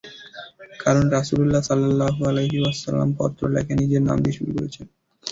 কারণ রাসূলুল্লাহ সাল্লাল্লাহু আলাইহি ওয়াসাল্লাম পত্র লেখা নিজের নাম দিয়ে শুরু করেছেন।